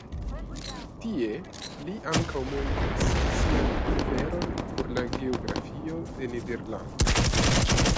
Tie li ankaŭ montris sian preferon por la geografio de Nederlando.